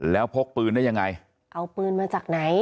แล้วพกปืนได้ยังไงเอาปืนมาจากไหน